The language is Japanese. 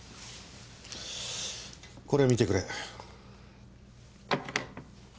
これ見てくれ。